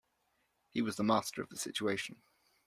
He was the master of the situation.